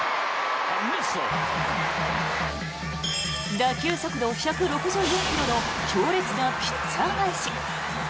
打球速度１６４ｋｍの強烈なピッチャー返し。